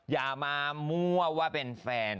อย่าม้าวว่าเป็นแฟน